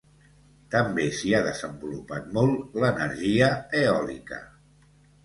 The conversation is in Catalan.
També s'hi ha desenvolupat molt l'energia eòlica.